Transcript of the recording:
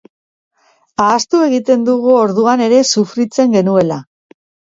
Ahaztu egiten dugu orduan ere sufritzen genuela.